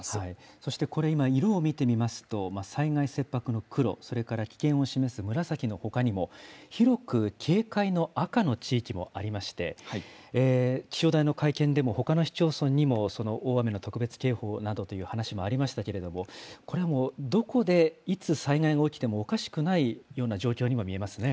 そして、これ今、色を見てみますと、災害切迫の黒、それから危険を示す紫のほかにも、広く警戒の赤の地域もありまして、気象台の会見でもほかの市町村にも大雨の特別警報などという話もありましたけれども、これはどこで、いつ、災害が起きてもおかしくないような状況にも見えますね。